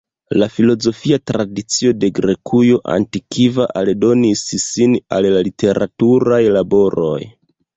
La filozofia tradicio de Grekujo antikva aldonis sin al la literaturaj laboroj.